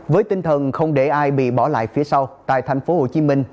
với tinh thần không để ai bị bỏ lại phía sau tại thành phố hồ chí minh